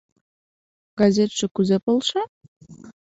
— Газетше кузе полша?